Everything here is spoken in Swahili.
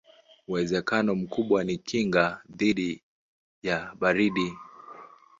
Uwezekano mkubwa ni kinga dhidi ya baridi.